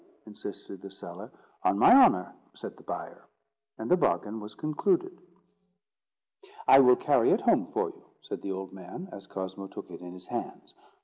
insisted the seller. "On my honour," said the buyer; and the bargain was concluded. "I will carry it home for you," said the old man, as Cosmo took it in his hands.